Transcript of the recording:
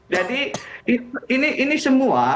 jadi ini semua